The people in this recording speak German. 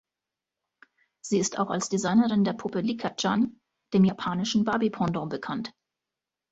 Sie ist auch als Designerin der Puppe Licca-chan, dem japanischen Barbie-Pendant, bekannt.